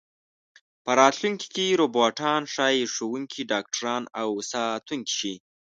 په راتلونکي کې روباټان ښايي ښوونکي، ډاکټران او ساتونکي شي.